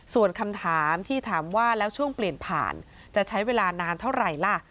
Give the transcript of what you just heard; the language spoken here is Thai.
ส่วนคำถามที่ถามว่าแล้วช่วงเปลี่ยนผ่านจะใช้เวลานานเท่าไหร่ล่ะ